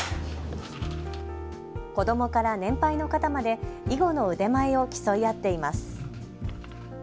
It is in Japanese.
子どもから年配の方まで囲碁の腕前を競い合っています。